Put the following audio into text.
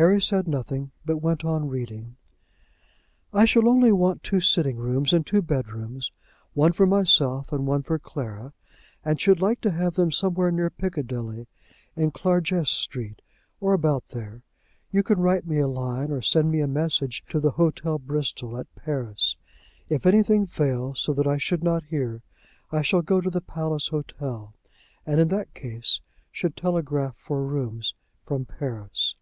Harry said nothing, but went on reading. "I shall only want two sitting rooms and two bedrooms, one for myself and one for Clara, and should like to have them somewhere near Piccadilly, in Clarges Street, or about there. You can write me a line, or send me a message to the Hotel Bristol, at Paris. If anything fails, so that I should not hear, I shall go to the Palace Hotel; and, in that case, should telegraph for rooms from Paris."